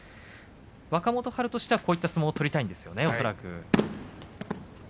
若元春としてはこういう相撲を取りたいんでしょうね、恐らく。